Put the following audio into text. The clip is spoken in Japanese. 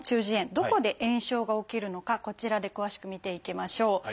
どこで炎症が起きるのかこちらで詳しく見ていきましょう。